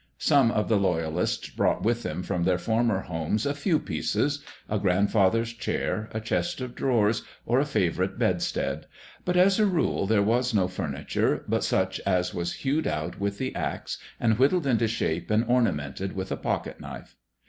Some of the Loyalists brought with them from their former homes a few pieces—a grandfather's chair, a chest of drawers, or a favourite bedstead; but, as a rule, there was no furniture but such as was hewed out with the axe and whittled into shape and ornamented with a pocket knife.